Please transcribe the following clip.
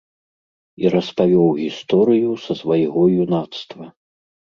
І распавёў гісторыю са свайго юнацтва.